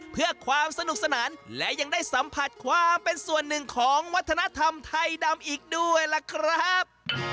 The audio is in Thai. เพื่อความสนุกสนานและยังได้สัมผัสความเป็นส่วนหนึ่งของวัฒนธรรมไทยดำอีกด้วยล่ะครับ